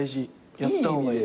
やった方がいい。